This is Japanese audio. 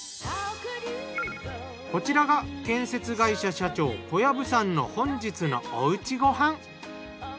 こちらが建設会社社長小藪さんの本日のお家ご飯。